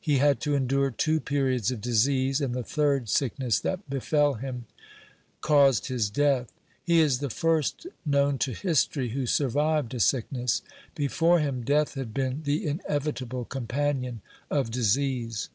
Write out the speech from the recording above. He had to endure two periods of disease, and the third sickness that befell him cause his death. He is the first known to history who survived a sickness. Before him death had been the inevitable companion of disease.